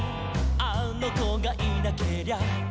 「あのこがいなけりゃ」